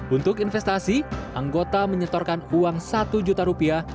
untuk investasi anggota menyetorkan uang satu juta rupiah